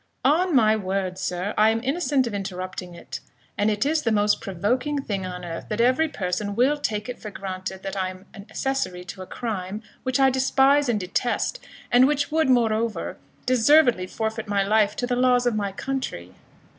"On my word, sir, I am innocent of interrupting it; and it is the most provoking thing on earth, that every person will take it for granted that I am accessory to a crime which I despise and detest, and which would, moreover, deservedly forfeit my life to the laws of my country."